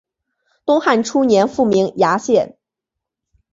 东汉初年复名衙县。